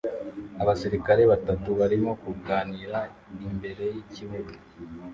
Abasirikare batatu barimo kuganira imbere yikibuga